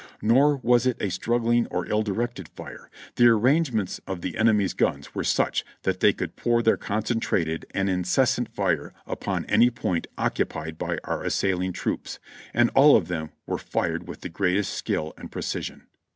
Nor \vas it a straggling or ill directed fire ; the arrangements of the enemy's guns were such that they could pour their concentrated and incessant fire upon any point occupied by our assailing troops, and all of them were fired with the greatest skill and precision.